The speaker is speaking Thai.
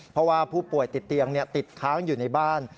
เพราะว่าผู้ป่วยติดเตียงติดค้างอยู่ในบ้าน